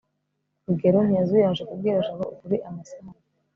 rugeyo ntiyazuyaje kubwira jabo ukuri amasahani